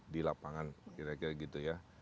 di lapangan kira kira gitu ya